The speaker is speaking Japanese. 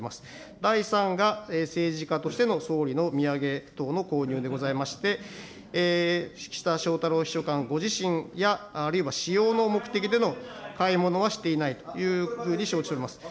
第３が政治家としての総理の土産等の購入でありまして、岸田翔太郎秘書官ご自身や、あるいは使用の目的での買い物はしていないというふうに承知しております。